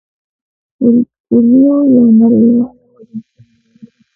پولیو یوه نړیواله وژونکې ناروغي ده